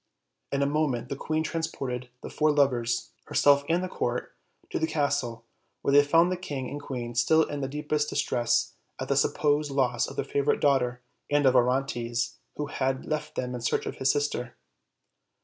In a moment the queen transported the four lovers, her self and court, to the castle, where they found the king and queen still in the deepest distress at the supposed loss of their favorite daughter and of Orontes, who had left them in search of his sister.